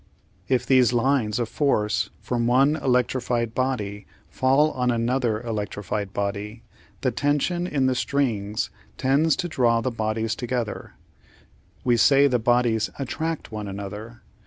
If these lines of force from one electri fied body fall on another electrified body, the tension in the strings tends to draw the bodies together: we say the bodies attract one another.